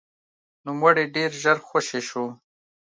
نوموړی ډېر ژر خوشې شو.